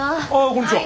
こんにちは。